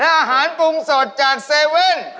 เออและอาหารปรุงสดจากเซเว่น